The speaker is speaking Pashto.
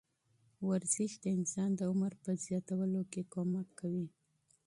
ورزش د انسان د عمر په زیاتولو کې مرسته کوي.